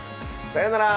さようなら。